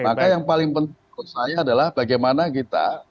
maka yang paling penting menurut saya adalah bagaimana kita